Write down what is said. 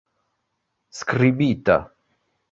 skribita